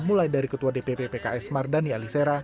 mulai dari ketua dpp pks mardani alisera